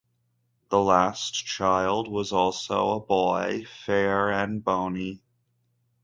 The last child was also a boy, fair and bonny.